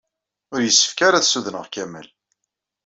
Ur yessefk ara ad ssudneɣ Kamal.